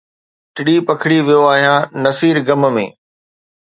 ٽڙي پکڙي ويو آهيان، نصير غم ۾